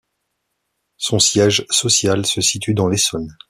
Son siège social se situe dans l'Essonne.